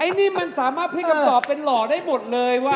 อันนี้มันสามารถพลิกคำตอบเป็นหล่อได้หมดเลยว่